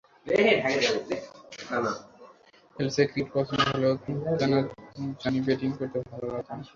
হেলসের cricket পছন্দ হলেও কেন জানি ব্যাটিং করতে ভালো লাগত না।